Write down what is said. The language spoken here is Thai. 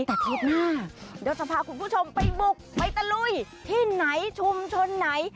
แต่เทปหน้าเดี๋ยวจะพาคุณผู้ชมไปบุกไปตะลุยที่ไหนชุมชนไหน